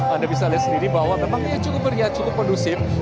anda bisa lihat sendiri bahwa memang dia cukup meriah cukup kondusif